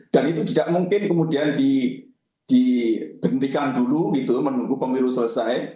dan itu tidak mungkin kemudian dihentikan dulu itu menunggu pemilu selesai